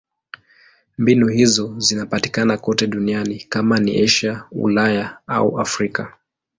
Mbinu hizo zinapatikana kote duniani: kama ni Asia, Ulaya au Afrika.